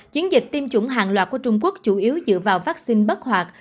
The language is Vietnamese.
chiến dịch tiêm chủng hàng loạt của trung quốc chủ yếu dựa vào vaccine bất hoạt